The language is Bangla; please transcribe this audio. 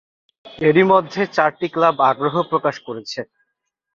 এরই মধ্যে চারটি ক্লাব আগ্রহ প্রকাশ করেছে।